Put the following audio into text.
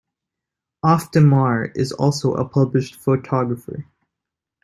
Auf der Maur is also a published photographer.